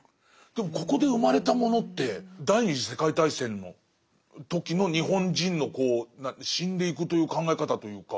でもここで生まれたものって第二次世界大戦の時の日本人のこう死んでいくという考え方というか。